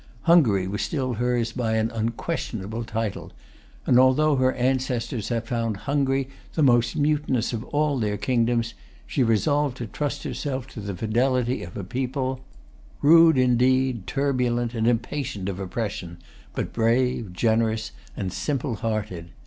Hungary was still hers by an unquestionable title; and although her ancestors had found Hungary the most mutinous of all their kingdoms, she resolved to trust herself to the fidelity of a people, rude indeed, turbulent, and impatient of oppression, but brave, generous, and simple hearted.